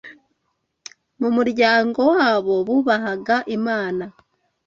Mu muryango wabo bubahaga Imana